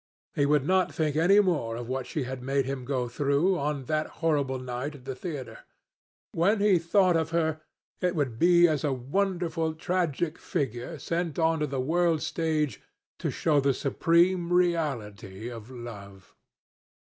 He would not think any more of what she had made him go through, on that horrible night at the theatre. When he thought of her, it would be as a wonderful tragic figure sent on to the world's stage to show the supreme reality of love.